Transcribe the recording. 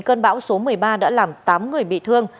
cơn bão số một mươi ba đã làm tám người bị thương